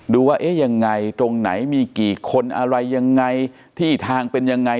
ว่าเอ๊ะยังไงตรงไหนมีกี่คนอะไรยังไงที่ทางเป็นยังไง